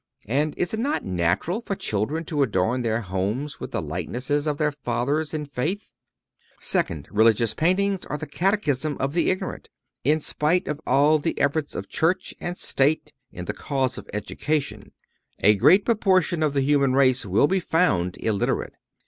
And is it not natural for children to adorn their homes with the likenesses of their Fathers in the faith? Second—Religious paintings are the catechism of the ignorant. In spite of all the efforts of Church and State in the cause of education a great proportion of the human race will be found illiterate.